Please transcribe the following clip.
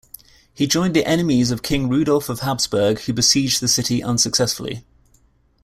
He joined the enemies of King Rudolph of Habsburg who besieged the city unsuccessfully.